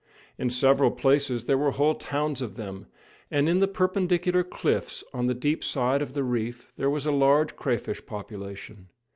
In several places there were whole towns of them, and in the perpendicular cliffs on the deep side of the reef, there was a large crayfish population.